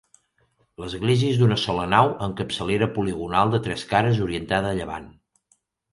L'església és d'una sola nau amb capçalera poligonal de tres cares orientada a llevant.